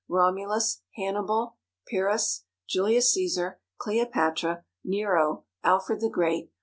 Romulus. Hannibal. Pyrrhus. Julius Cæsar. Cleopatra. Nero. Alfred the Great.